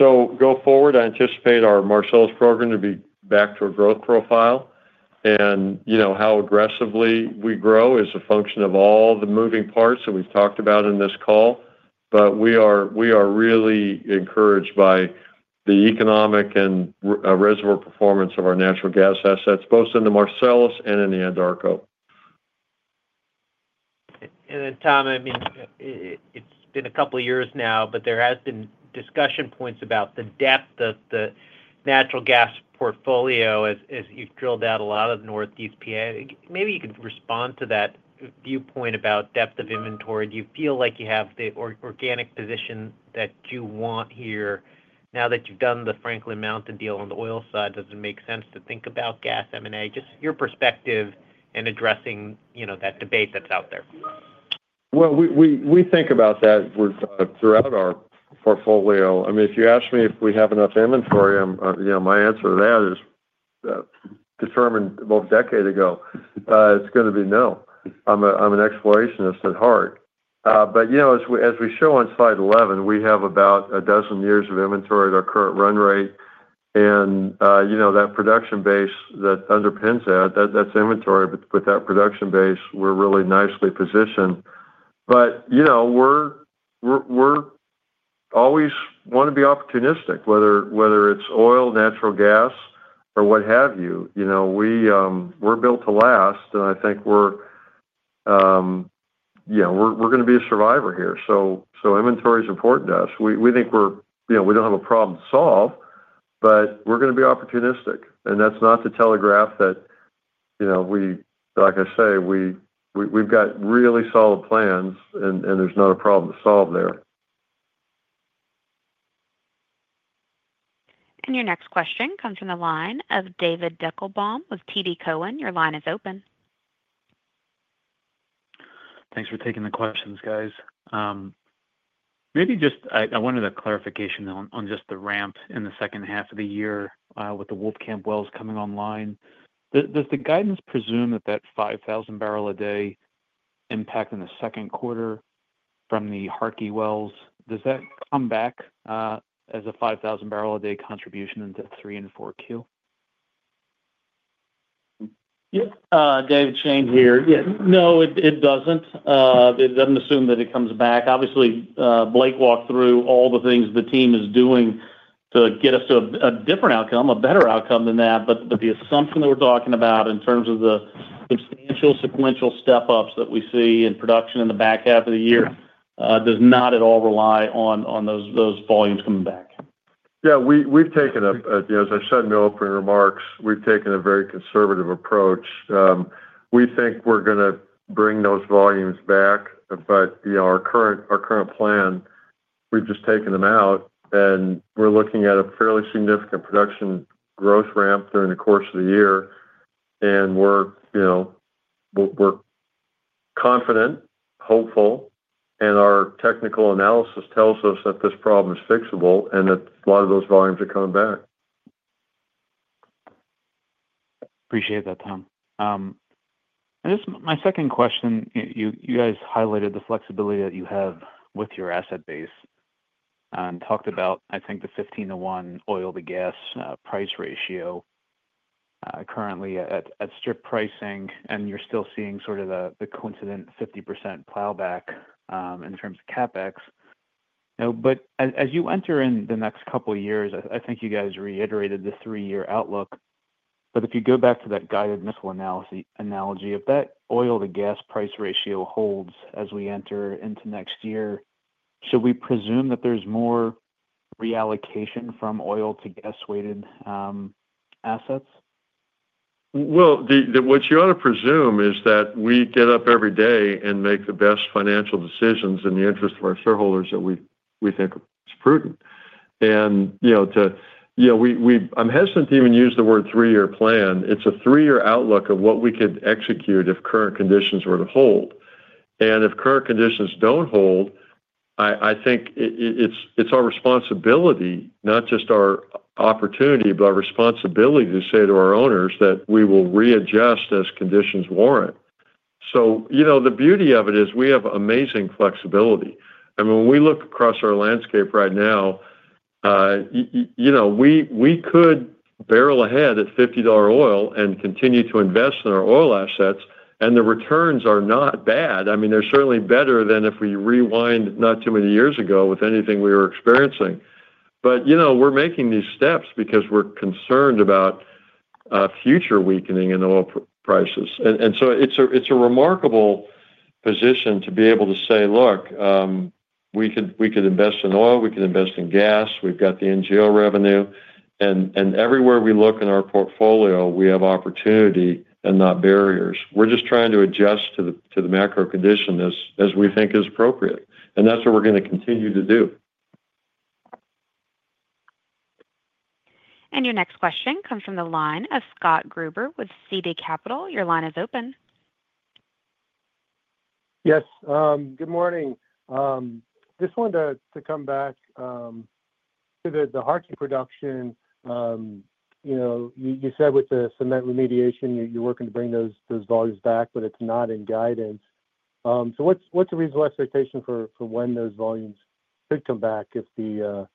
[SPEAKER 3] Go forward, I anticipate our Marcellus program to be back to a growth profile. How aggressively we grow is a function of all the moving parts that we've talked about in this call. We are really encouraged by the economic and reservoir performance of our natural gas assets, both in the Marcellus and in the Anadarko.
[SPEAKER 12] Tom, I mean, it's been a couple of years now, but there have been discussion points about the depth of the natural gas portfolio as you've drilled out a lot of the Northeast PA. Maybe you could respond to that viewpoint about depth of inventory. Do you feel like you have the organic position that you want here now that you've done the Franklin Mountain deal on the oil side? Does it make sense to think about gas M&A? Just your perspective and addressing that debate that's out there.
[SPEAKER 3] We think about that throughout our portfolio. I mean, if you ask me if we have enough inventory, my answer to that is determined a decade ago. It's going to be no. I'm an explorationist at heart. As we show on slide 11, we have about a dozen years of inventory at our current run rate. That production base that underpins that, that's inventory. With that production base, we're really nicely positioned. We always want to be opportunistic, whether it's oil, natural gas, or what have you. We're built to last, and I think we're going to be a survivor here. Inventory is important to us. We think we don't have a problem to solve, but we're going to be opportunistic. That's not to telegraph that, like I say, we've got really solid plans, and there's not a problem to solve there.
[SPEAKER 1] Your next question comes from the line of David Deckelbaum with TD Cowen. Your line is open.
[SPEAKER 13] Thanks for taking the questions, guys. Maybe just I wanted a clarification on just the ramp in the second half of the year with the Wolf Camp wells coming online. Does the guidance presume that that 5,000 bbl a day impact in the second quarter from the Harkey wells? Does that come back as a 5,000 bbl a day contribution into 3Q and 4Q?
[SPEAKER 4] Yep. David Shane here. Yeah. No, it does not. It does not assume that it comes back. Obviously, Blake walked through all the things the team is doing to get us to a different outcome, a better outcome than that. The assumption that we are talking about in terms of the substantial sequential step-ups that we see in production in the back half of the year does not at all rely on those volumes coming back.
[SPEAKER 3] Yeah. We've taken a, as I said in the opening remarks, we've taken a very conservative approach. We think we're going to bring those volumes back. Our current plan, we've just taken them out, and we're looking at a fairly significant production growth ramp during the course of the year. We're confident, hopeful, and our technical analysis tells us that this problem is fixable and that a lot of those volumes are coming back.
[SPEAKER 13] Appreciate that, Tom. Just my second question, you guys highlighted the flexibility that you have with your asset base and talked about, I think, the 15:1 oil to gas price ratio currently at strip pricing. You're still seeing sort of the coincident 50% plowback in terms of CapEx. As you enter in the next couple of years, I think you guys reiterated the three-year outlook. If you go back to that guided missile analogy, if that oil to gas price ratio holds as we enter into next year, should we presume that there's more reallocation from oil to gas-weighted assets?
[SPEAKER 3] What you ought to presume is that we get up every day and make the best financial decisions in the interest of our shareholders that we think are prudent. I'm hesitant to even use the word three-year plan. It's a three-year outlook of what we could execute if current conditions were to hold. If current conditions do not hold, I think it's our responsibility, not just our opportunity, but our responsibility to say to our owners that we will readjust as conditions warrant. The beauty of it is we have amazing flexibility. I mean, when we look across our landscape right now, we could barrel ahead at $50 oil and continue to invest in our oil assets. The returns are not bad. I mean, they're certainly better than if we rewind not too many years ago with anything we were experiencing. We are making these steps because we are concerned about future weakening in oil prices. It is a remarkable position to be able to say, "Look, we could invest in oil. We could invest in gas. We have got the NGL revenue." Everywhere we look in our portfolio, we have opportunity and not barriers. We are just trying to adjust to the macro condition as we think is appropriate. That is what we are going to continue to do.
[SPEAKER 1] Your next question comes from the line of Scott Gruber with Citi Capital. Your line is open.
[SPEAKER 14] Yes. Good morning. Just wanted to come back to the Harkey production. You said with the cement remediation, you're working to bring those volumes back, but it's not in guidance. What is the reasonable expectation for when those volumes could come back if the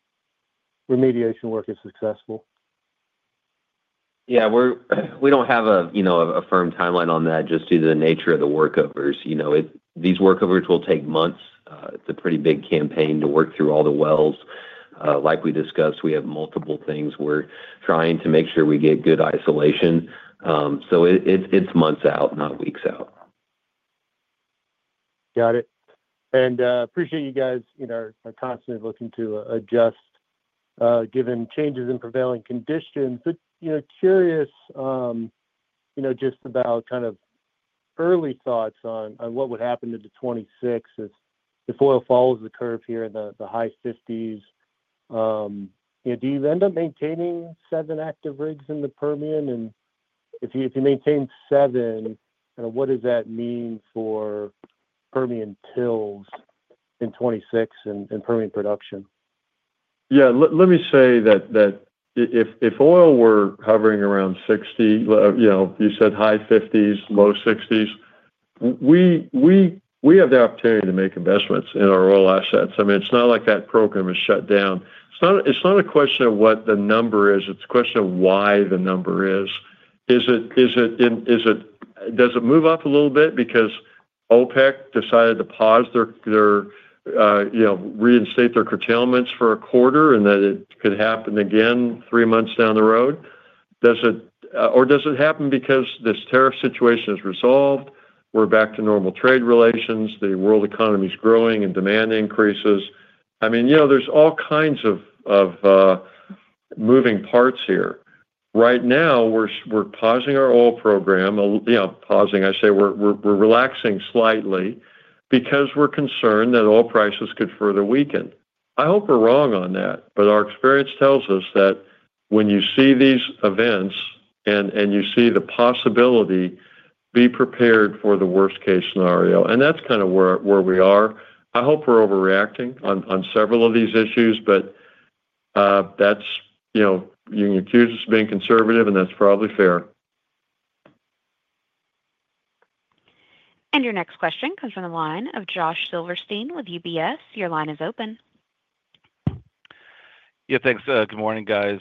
[SPEAKER 14] remediation work is successful?
[SPEAKER 3] Yeah. We don't have a firm timeline on that just due to the nature of the workovers. These workovers will take months. It's a pretty big campaign to work through all the wells. Like we discussed, we have multiple things. We're trying to make sure we get good isolation. It's months out, not weeks out.
[SPEAKER 14] Got it. I appreciate you guys are constantly looking to adjust given changes in prevailing conditions. Curious just about kind of early thoughts on what would happen to 2026 as if oil follows the curve here in the high $50s. Do you end up maintaining seven active rigs in the Permian? If you maintain seven, what does that mean for Permian tills in 2026 and Permian production?
[SPEAKER 3] Yeah. Let me say that if oil were hovering around $60, you said high $50s, low $60s, we have the opportunity to make investments in our oil assets. I mean, it's not like that program is shut down. It's not a question of what the number is. It's a question of why the number is. Does it move up a little bit because OPEC decided to pause their reinstate their curtailments for a quarter and that it could happen again three months down the road? Or does it happen because this tariff situation is resolved? We're back to normal trade relations. The world economy is growing and demand increases. I mean, there's all kinds of moving parts here. Right now, we're pausing our oil program. Pausing, I say we're relaxing slightly because we're concerned that oil prices could further weaken. I hope we're wrong on that, but our experience tells us that when you see these events and you see the possibility, be prepared for the worst-case scenario. That is kind of where we are. I hope we're overreacting on several of these issues, but you can accuse us of being conservative, and that's probably fair.
[SPEAKER 1] Your next question comes from the line of Josh Silverstein with UBS. Your line is open.
[SPEAKER 15] Yeah. Thanks. Good morning, guys.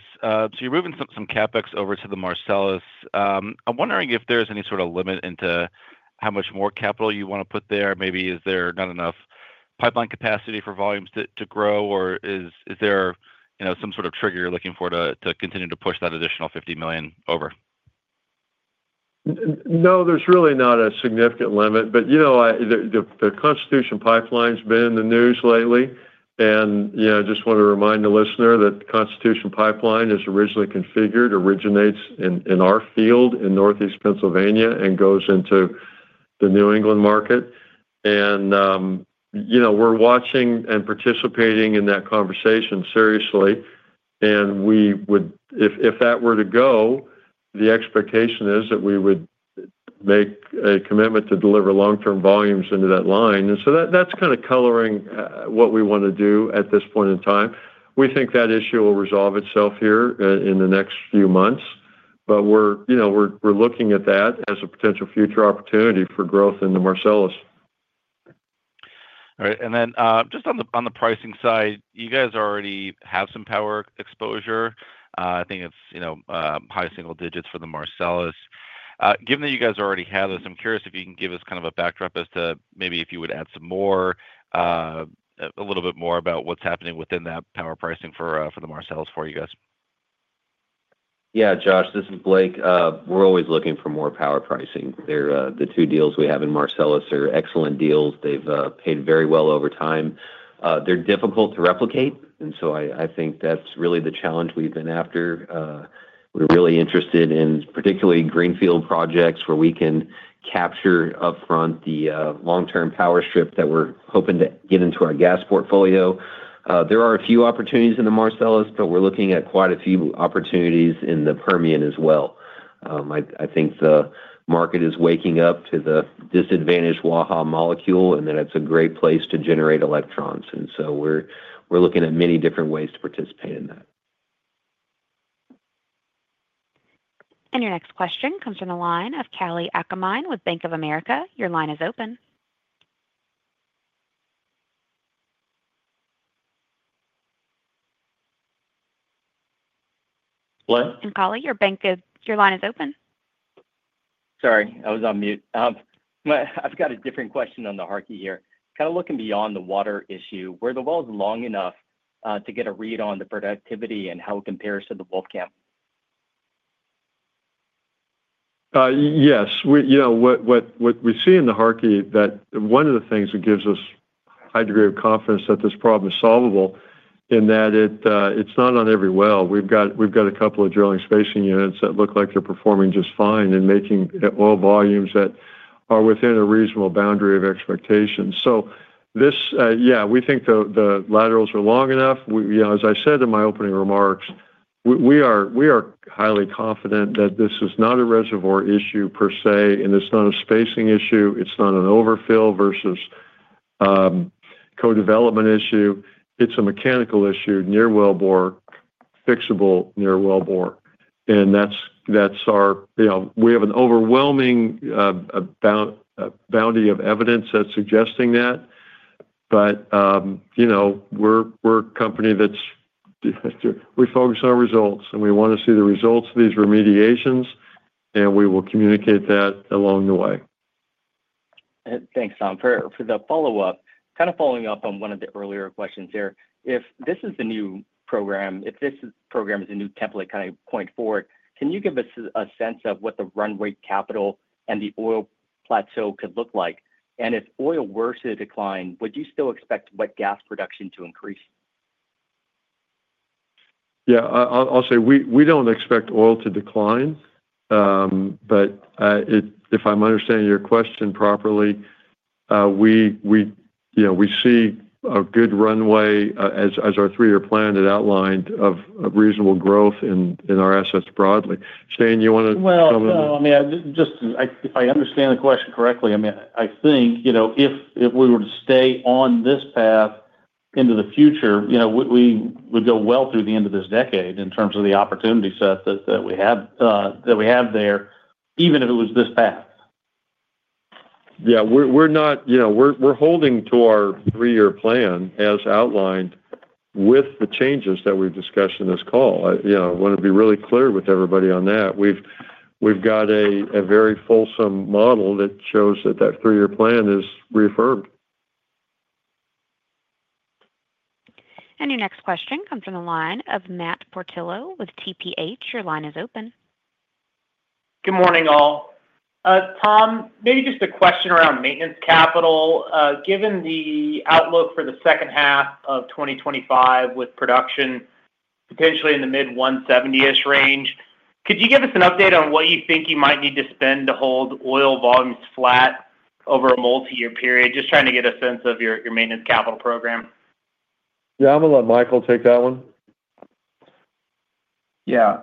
[SPEAKER 15] You're moving some CapEx over to the Marcellus. I'm wondering if there's any sort of limit into how much more capital you want to put there. Maybe is there not enough pipeline capacity for volumes to grow, or is there some sort of trigger you're looking for to continue to push that additional $50 million over?
[SPEAKER 3] No, there's really not a significant limit. The Constitution Pipeline has been in the news lately. I just want to remind the listener that the Constitution Pipeline is originally configured, originates in our field in Northeast Pennsylvania, and goes into the New England market. We're watching and participating in that conversation seriously. If that were to go, the expectation is that we would make a commitment to deliver long-term volumes into that line. That's kind of coloring what we want to do at this point in time. We think that issue will resolve itself here in the next few months, but we're looking at that as a potential future opportunity for growth in the Marcellus.
[SPEAKER 15] All right. Just on the pricing side, you guys already have some power exposure. I think it's high single digits for the Marcellus. Given that you guys already have this, I'm curious if you can give us kind of a backdrop as to maybe if you would add some more, a little bit more about what's happening within that power pricing for the Marcellus for you guys.
[SPEAKER 5] Yeah. Josh, this is Blake. We're always looking for more power pricing. The two deals we have in Marcellus are excellent deals. They've paid very well over time. They're difficult to replicate. I think that's really the challenge we've been after. We're really interested in particularly greenfield projects where we can capture upfront the long-term power strip that we're hoping to get into our gas portfolio. There are a few opportunities in the Marcellus, but we're looking at quite a few opportunities in the Permian as well. I think the market is waking up to the disadvantaged molecule and that it's a great place to generate electrons. We're looking at many different ways to participate in that.
[SPEAKER 1] Your next question comes from the line of Kalei Akamine with Bank of America. Your line is open. Kalei, your line is open.
[SPEAKER 16] Sorry. I was on mute. I've got a different question on the Harkey here. Kind of looking beyond the water issue, were the wells long enough to get a read on the productivity and how it compares to the Wolf Camp?
[SPEAKER 3] Yes. What we see in the Harkey, one of the things that gives us a high degree of confidence that this problem is solvable in that it's not on every well. We've got a couple of drilling spacing units that look like they're performing just fine and making oil volumes that are within a reasonable boundary of expectation. Yeah, we think the laterals are long enough. As I said in my opening remarks, we are highly confident that this is not a reservoir issue per se, and it's not a spacing issue. It's not an overfill versus co-development issue. It's a mechanical issue, near wellbore, fixable near wellbore. We have an overwhelming bounty of evidence that's suggesting that. We're a company that focuses on results, and we want to see the results of these remediations, and we will communicate that along the way.
[SPEAKER 16] Thanks, Tom. For the follow-up, kind of following up on one of the earlier questions here, if this is the new program, if this program is a new template kind of going forward, can you give us a sense of what the runway capital and the oil plateau could look like? If oil were to decline, would you still expect wet gas production to increase?
[SPEAKER 3] Yeah. I'll say we don't expect oil to decline. If I'm understanding your question properly, we see a good runway as our three-year plan had outlined of reasonable growth in our assets broadly. Shane, you want to comment on that?
[SPEAKER 4] I mean, if I understand the question correctly, I mean, I think if we were to stay on this path into the future, we would go well through the end of this decade in terms of the opportunity set that we have there, even if it was this path.
[SPEAKER 3] Yeah. We're not, we're holding to our three-year plan as outlined with the changes that we've discussed in this call. I want to be really clear with everybody on that. We've got a very fulsome model that shows that that three-year plan is reaffirmed.
[SPEAKER 1] Your next question comes from the line of Matt Portillo with TPH. Your line is open.
[SPEAKER 17] Good morning, all. Tom, maybe just a question around maintenance capital. Given the outlook for the second half of 2025 with production potentially in the mid-170-ish range, could you give us an update on what you think you might need to spend to hold oil volumes flat over a multi-year period? Just trying to get a sense of your maintenance capital program.
[SPEAKER 3] Yeah. I'm going to let Michael take that one.
[SPEAKER 10] Yeah.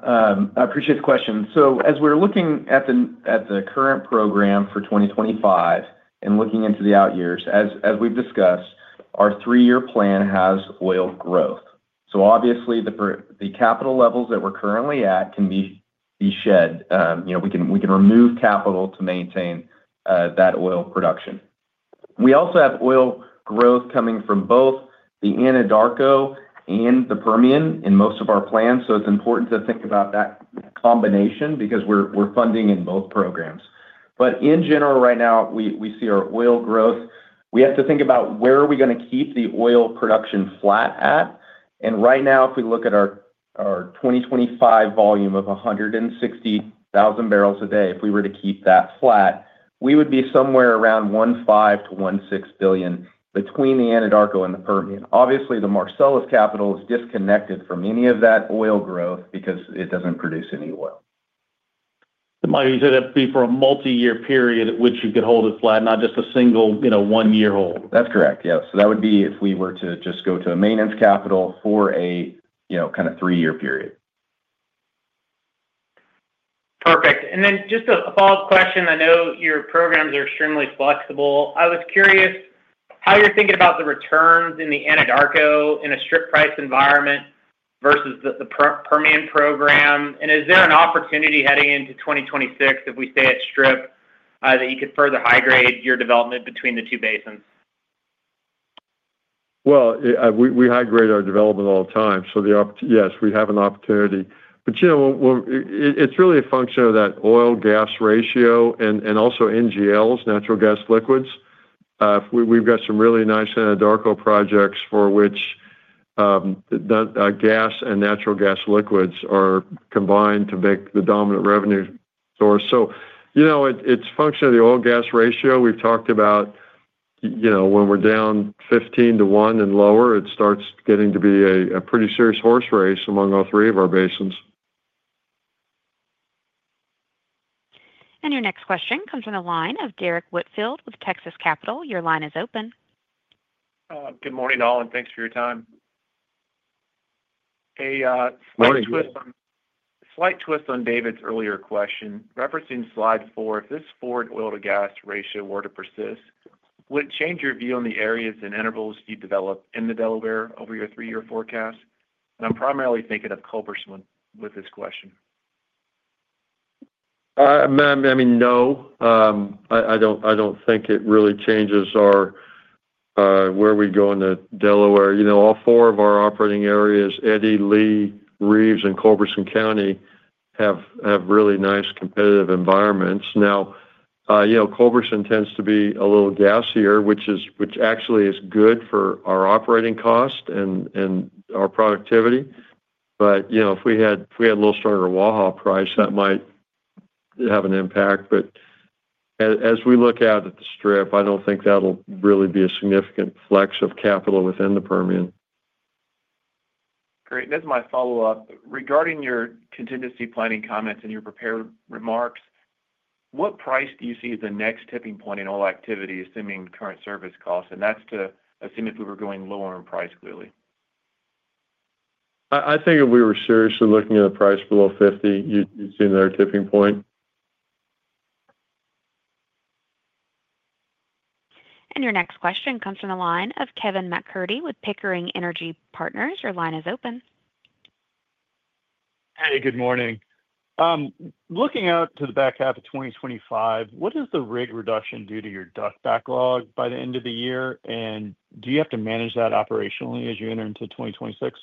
[SPEAKER 10] I appreciate the question. As we're looking at the current program for 2025 and looking into the out years, as we've discussed, our three-year plan has oil growth. Obviously, the capital levels that we're currently at can be shed. We can remove capital to maintain that oil production. We also have oil growth coming from both the Anadarko and the Permian in most of our plans. It's important to think about that combination because we're funding in both programs. In general, right now, we see our oil growth. We have to think about where are we going to keep the oil production flat at. Right now, if we look at our 2025 volume of 160,000 bbls a day, if we were to keep that flat, we would be somewhere around $15 billion-$16 billion between the Anadarko and the Permian. Obviously, the Marcellus capital is disconnected from any of that oil growth because it doesn't produce any oil.
[SPEAKER 2] Mike, you said that'd be for a multi-year period at which you could hold it flat, not just a single one-year hold.
[SPEAKER 10] That's correct. Yes. That would be if we were to just go to a maintenance capital for a kind of three-year period.
[SPEAKER 17] Perfect. Just a follow-up question. I know your programs are extremely flexible. I was curious how you're thinking about the returns in the Anadarko in a strip price environment versus the Permian program. Is there an opportunity heading into 2026, if we stay at strip, that you could further high-grade your development between the two basins?
[SPEAKER 3] We high-grade our development all the time. Yes, we have an opportunity. It is really a function of that oil-gas ratio and also NGLs, natural gas liquids. We have some really nice Anadarko projects for which gas and natural gas liquids are combined to make the dominant revenue source. It is a function of the oil-gas ratio. We have talked about when we are down 15 to 1 and lower, it starts getting to be a pretty serious horse race among all three of our basins.
[SPEAKER 1] Your next question comes from the line of Derrick Whitfield with Texas Capital. Your line is open.
[SPEAKER 18] Good morning, all, and thanks for your time.
[SPEAKER 3] Morning.
[SPEAKER 18] Slight twist on David's earlier question. Referencing slide four, if this forward oil-to-gas ratio were to persist, would it change your view on the areas and intervals you develop in the Delaware over your three-year forecast? I'm primarily thinking of Culberson with this question.
[SPEAKER 3] I mean, no. I don't think it really changes where we go in the Delaware. All four of our operating areas, Eddy, Lea, Reeves, and Culberson County have really nice competitive environments. Now, Culberson tends to be a little gassier, which actually is good for our operating cost and our productivity. If we had a little stronger Waha price, that might have an impact. As we look at it at the strip, I don't think that'll really be a significant flex of capital within the Permian.
[SPEAKER 18] Great. This is my follow-up. Regarding your contingency planning comments and your prepared remarks, what price do you see as the next tipping point in oil activity, assuming current service costs? That is to assume if we were going lower in price, clearly.
[SPEAKER 3] I think if we were seriously looking at a price below $50, you'd see another tipping point.
[SPEAKER 1] Your next question comes from the line of Kevin MacCurdy with Pickering Energy Partners. Your line is open.
[SPEAKER 19] Hey, good morning. Looking out to the back half of 2025, what does the rig reduction do to your DUC backlog by the end of the year? Do you have to manage that operationally as you enter into 2026?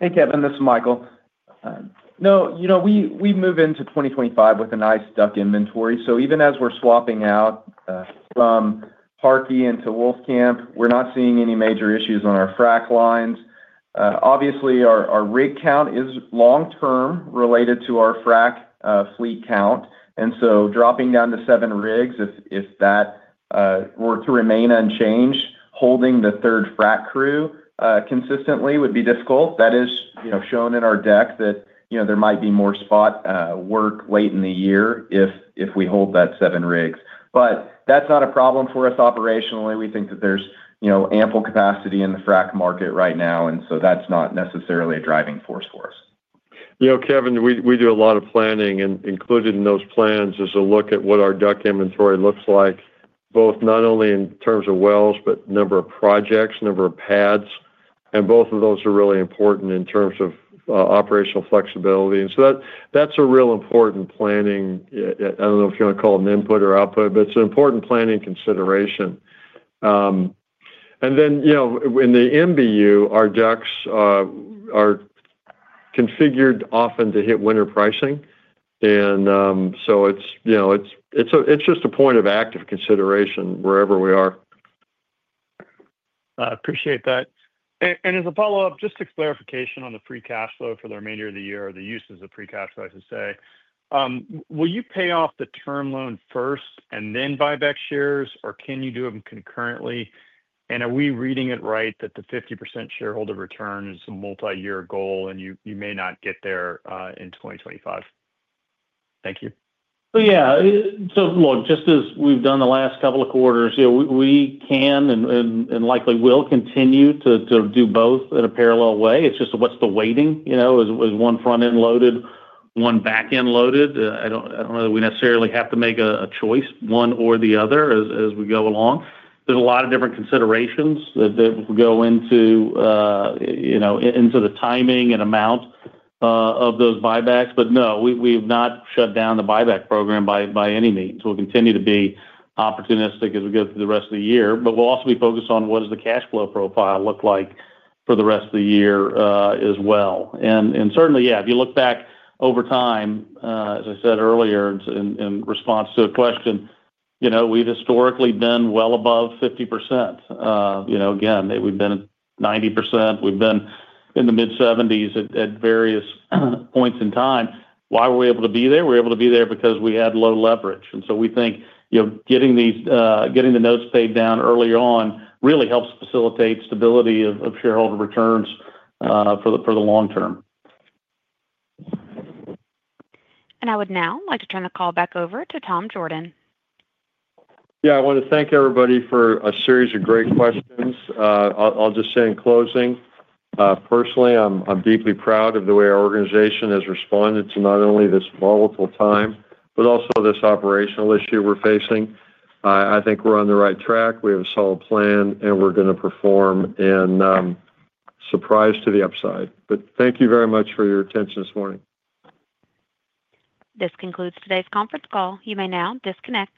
[SPEAKER 10] Hey, Kevin. This is Michael. No, we move into 2025 with a nice DUC inventory. Even as we're swapping out from Harkey into Wolf Camp, we're not seeing any major issues on our frac lines. Obviously, our rig count is long-term related to our frac fleet count. Dropping down to seven rigs, if that were to remain unchanged, holding the third frac crew consistently would be difficult. That is shown in our deck that there might be more spot work late in the year if we hold that seven rigs. That's not a problem for us operationally. We think that there's ample capacity in the frac market right now, and that's not necessarily a driving force for us.
[SPEAKER 3] Kevin, we do a lot of planning, and included in those plans is a look at what our DUC inventory looks like, both not only in terms of wells, but number of projects, number of pads. Both of those are really important in terms of operational flexibility. That is a real important planning. I do not know if you want to call it an input or output, but it is an important planning consideration. In the MBU, our DUCs are configured often to hit winter pricing. It is just a point of active consideration wherever we are.
[SPEAKER 19] I appreciate that. As a follow-up, just a clarification on the free cash flow for the remainder of the year, the uses of free cash flow, I should say. Will you pay off the term loan first and then buy back shares, or can you do them concurrently? Are we reading it right that the 50% shareholder return is a multi-year goal and you may not get there in 2025? Thank you.
[SPEAKER 4] Yeah. Look, just as we've done the last couple of quarters, we can and likely will continue to do both in a parallel way. It's just what's the weighting? Is one front-end loaded, one back-end loaded? I don't know that we necessarily have to make a choice, one or the other, as we go along. There's a lot of different considerations that will go into the timing and amount of those buybacks. No, we have not shut down the buyback program by any means. We'll continue to be opportunistic as we go through the rest of the year. We'll also be focused on what does the cash flow profile look like for the rest of the year as well. Certainly, if you look back over time, as I said earlier, in response to a question, we've historically been well above 50%. Again, we've been at 90%. We've been in the mid-70% at various points in time. Why were we able to be there? We were able to be there because we had low leverage. We think getting the notes paid down early on really helps facilitate stability of shareholder returns for the long-term.
[SPEAKER 1] I would now like to turn the call back over to Tom Jorden.
[SPEAKER 3] Yeah. I want to thank everybody for a series of great questions. I'll just say in closing, personally, I'm deeply proud of the way our organization has responded to not only this volatile time, but also this operational issue we're facing. I think we're on the right track. We have a solid plan, and we're going to perform and surprise to the upside. Thank you very much for your attention this morning.
[SPEAKER 1] This concludes today's conference call. You may now disconnect.